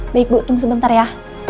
baik bu tunggu sebentar ya